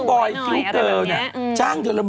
คุณหมอโดนกระช่าคุณหมอโดนกระช่า